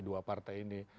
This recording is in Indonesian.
dua partai ini